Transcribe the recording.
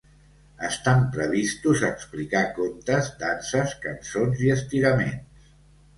Estan previstos explica contes, danses, cançons i estiraments.